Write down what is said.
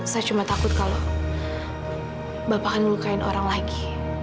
saya cuma takut kalau bapak akan melukain orang lagi